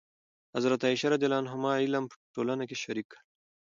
حضرت عایشه رضي الله عنها علم په ټولنه کې شریک کړ.